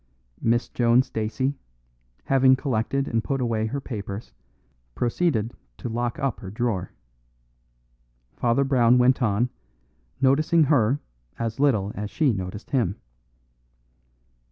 Miss Joan Stacey, having collected and put away her papers, proceeded to lock up her drawer. Father Brown went on, noticing her as little as she noticed him.